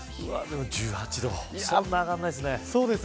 １８度でそんなに上がらないですね。